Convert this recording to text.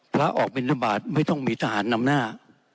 พระออกบินทบาทไม่ต้องมีทหารนำหน้า